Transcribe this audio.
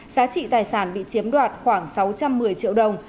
giá trị tài sản bị chiếm đoạt khoảng sáu trăm một mươi triệu đồng